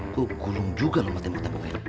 gue gulung juga lu sama tembok temboknya